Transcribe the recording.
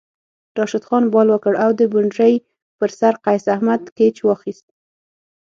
راشد خان بال وکړ او د بونډرۍ پر سر قیص احمد کیچ واخیست